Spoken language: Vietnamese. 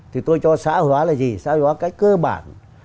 thì tôi cho sợi hóa là gì sợi hóa là cái cơ bản